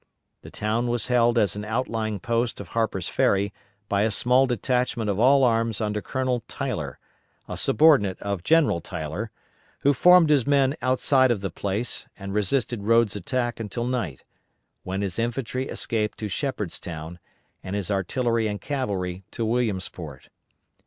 The town was held as an outlying post of Harper's Ferry by a small detachment of all arms under Colonel Tyler, a subordinate of General Tyler, who formed his men outside of the place and resisted Rodes' attack until night, when his infantry escaped to Shepherdstown, and his artillery and cavalry to Williamsport.